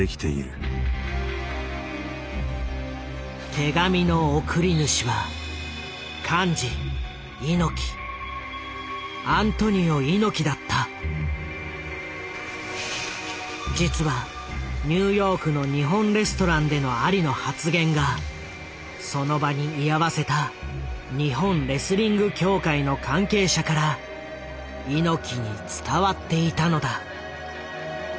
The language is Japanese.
手紙の送り主は実はニューヨークの日本レストランでのアリの発言がその場に居合わせた日本レスリング協会の関係者から猪木に伝わっていたのだ。